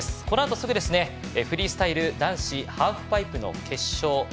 このあとすぐ、フリースタイル男子ハーフパイプの決勝。